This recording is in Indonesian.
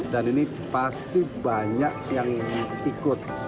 dan ini pasti banyak yang ikut